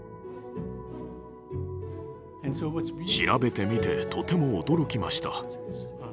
調べてみてとても驚きました。